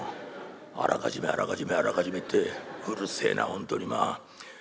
あらかじめあらかじめあらかじめってうるせえな本当にまあ」。